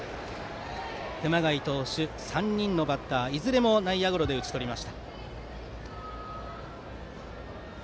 熊谷投手、３人のバッターいずれも内野ゴロで打ち取りました。